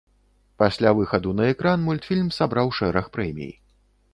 Пасля выхаду на экран мультфільм сабраў шэраг прэмій.